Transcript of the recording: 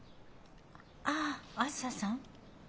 ああづささん？